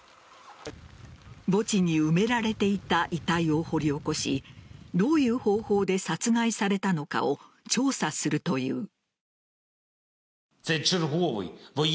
墓地に埋められていた遺体を掘り起こしどういう方法で殺害されたのかを調査するという。